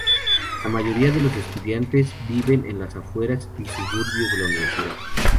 La mayoría de los estudiantes viven en las afueras y suburbios de la universidad.